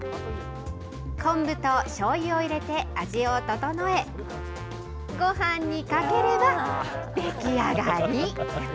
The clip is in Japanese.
昆布としょうゆを入れて、味を調え、ごはんにかければ出来上がり。